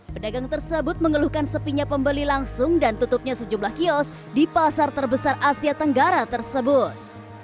pedagang tersebut mengeluhkan sepinya pembeli langsung dan tutupnya sejumlah kios di pasar terbesar asia tenggara tersebut